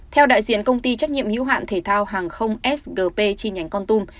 theo đại diện công ty trách nhiệm hữu hạn thể thao hàng không sgp chi nhánh con tum